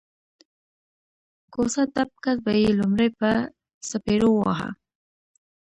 کوڅه ډب کس به یې لومړی په څپېړو واهه